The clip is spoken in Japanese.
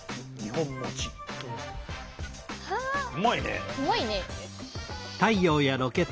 うまいね。